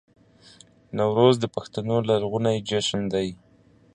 نوروز د پښتنو لرغونی جشن دی